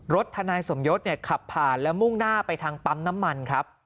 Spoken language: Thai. ทนายสมยศขับผ่านแล้วมุ่งหน้าไปทางปั๊มน้ำมันครับ